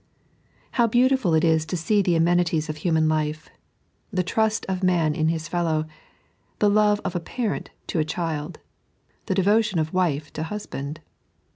How beautiful it is to see the amemtiee of human life— the trust of man in his fellow, the love of parent to child, the devotion of wife to husband.